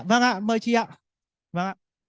vâng ạ mời chị ạ